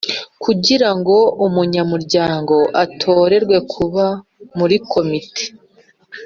Kugira ngo umunyamuryango atorerwe kuba muri komite